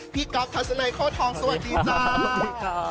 พี่ก๊อฟธัสนายโค้ดทองสวัสดีจ้า